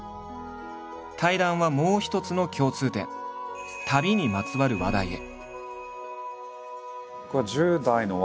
対談はもう一つの共通点「旅」にまつわる話題へ。